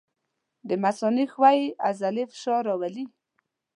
د مثانې ښویې عضلې فشار راولي.